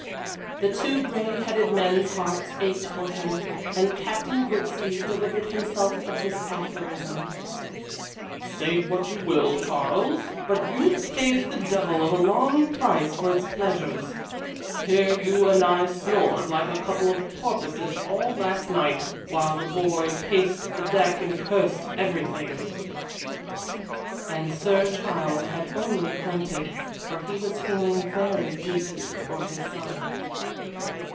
The two grey headed men's hearts ached for him, and Captain Grigsby delivered himself of this aphorism: "Say what you will, Charles, but youth pays the devil of a long price for its pleasures. Here you and I snored like a couple of porpoises all last night, while the boy paced the deck and cursed everything." And Sir Charles had only grunted, for he was feeling very deeply for his son.